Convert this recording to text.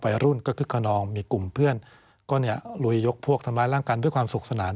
วัยรุ่นก็คึกขนองมีกลุ่มเพื่อนก็เนี่ยลุยยกพวกทำร้ายร่างกายด้วยความสุขสนาน